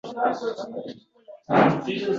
Menga kerak paytingizda qaerda edingiz